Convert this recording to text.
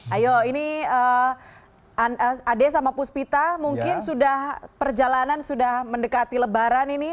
ayo ini ade sama puspita mungkin sudah perjalanan sudah mendekati lebaran ini